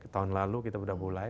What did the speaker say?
tahun lalu kita sudah mulai